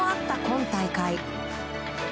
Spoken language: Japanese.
今大会。